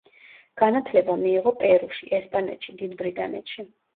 განათლება მიიღო პერუში, ესპანეთში, დიდ ბრიტანეთში.